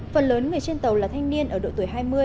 phần lớn người trên tàu là thanh niên ở độ tuổi hai mươi